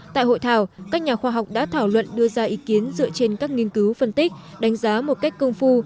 tại hội thảo các nhà khoa học đã thảo luận đưa ra ý kiến dựa trên các nghiên cứu phân tích đánh giá một cách công phu